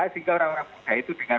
sehingga orang orang muda itu dengan